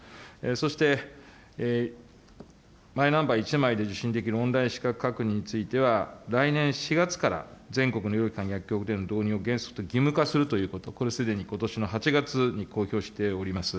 そして、マイナンバー１枚で受診できるオンライン資格確認については、来年４月から全国の医療機関、薬局での導入を原則として義務化するということ、これ、すでにことしの８月に公表しております。